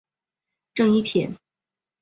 正一品。